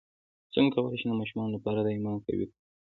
څنګه کولی شم د ماشومانو لپاره د ایمان قوي کړم